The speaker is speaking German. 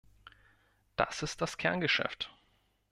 Das ist das Kerngeschäft.